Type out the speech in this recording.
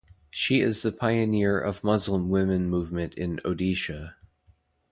She is the pioneer of Muslim women movement in Odisha.